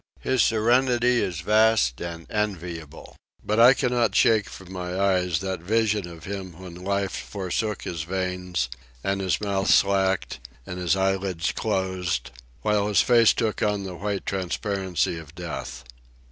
His serenity is vast and enviable. But I cannot shake from my eyes that vision of him when life forsook his veins, and his mouth slacked, and his eyelids closed, while his face took on the white transparency of death.